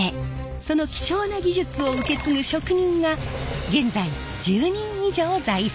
その貴重な技術を受け継ぐ職人が現在１０人以上在籍。